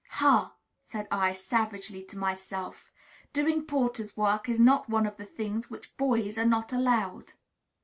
"Ha!" said I, savagely, to myself, "doing porters' work is not one of the things which 'boys' are 'not allowed.'"